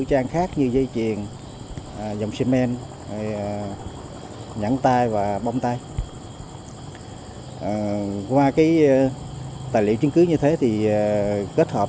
vật như dây chiền dòng xe men nhắn tay và bóng tay qua cái tài liệu chứng cứ như thế thì kết hợp